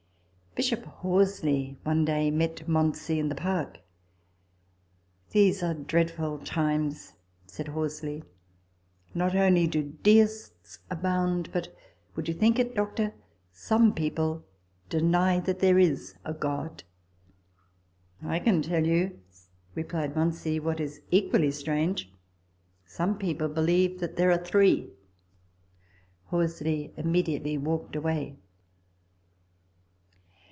Bishop Horsley one day met Monsey in the Park. " These are dreadful times !" said Horsley :" not only do deists abound, but, would you think it, doctor ? some people deny that there is a God !"" I can tell you," replied Monsey, " what is equally strange, some people believe that there are three."* Horsley immediately walked away.